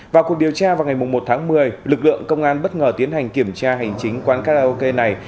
vào cuộc điều tra vào ngày một tháng một mươi lực lượng công an bất ngờ tiến hành kiểm tra hành chính quán karaoke này